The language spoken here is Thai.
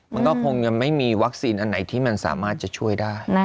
มันก็คงยังไม่มีวัคซีนอันไหนที่มันสามารถจะช่วยได้